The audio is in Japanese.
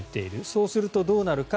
そうするとどうなるか。